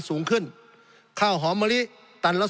สงบจนจะตายหมดแล้วครับ